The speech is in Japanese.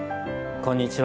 こんにちは。